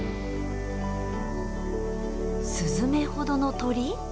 スズメほどの鳥？